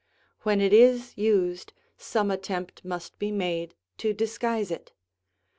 When it is used, some attempt must be made to disguise it.